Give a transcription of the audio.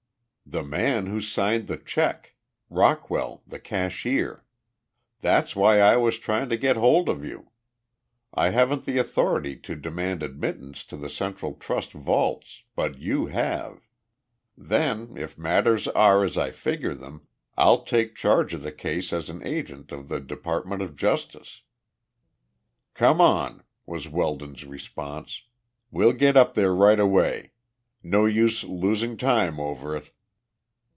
"The man who signed the check Rockwell, the cashier! That's why I was trying to get hold of you. I haven't the authority to demand admittance to the Central Trust vaults, but you have. Then, if matters are as I figure them, I'll take charge of the case as an agent of the Department of Justice." "Come on!" was Weldon's response. "We'll get up there right away, No use losing time over it!"